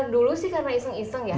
dulu sih karena iseng iseng ya